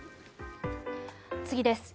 次です。